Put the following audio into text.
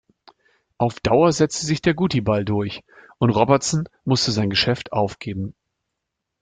Auf Dauer setzte sich der Guttie-Ball durch und Robertson musste sein Geschäft aufgeben.